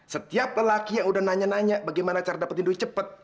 setiap lelaki yang udah nanya nanya bagaimana cara dapetin duit cepet